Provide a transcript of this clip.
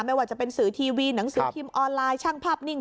ไม่ว่าจะเป็นสื่อทีวีหนังสือพิมพ์ออนไลน์ช่างภาพนิ่ง